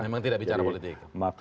memang tidak bicara politik